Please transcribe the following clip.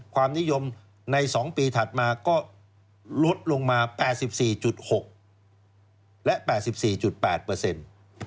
ความนิยมใน๒ปีถัดมาก็ลดลงมา๘๔๖และ๘๔๘เปอร์เซ็นต์